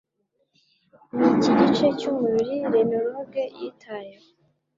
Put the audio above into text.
Niki gice cyumubiri Renologue yitayeho?